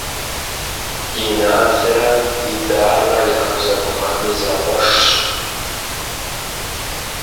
Иналрэ Идаррэ ягу зэбгъами, зэкъуэшщ.